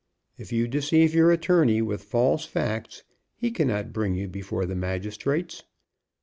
If you deceive your attorney with false facts he cannot bring you before the magistrates.